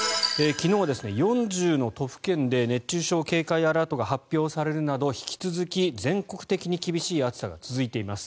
昨日は４０の都府県で熱中症警戒アラートが発表されるなど引き続き、全国的に厳しい暑さが続いています。